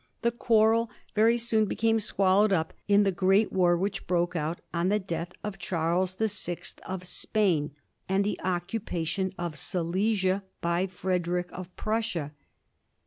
The quarrel very soon became swallowed up in the great war which broke out on the death of Charles the Sixth of Spain, and the occupation of Silesia by Frederick of Prussia.